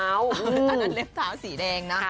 อันนั้นเล็บเท้าสีแดงนะ